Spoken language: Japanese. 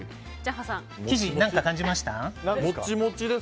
生地、何か感じましたか？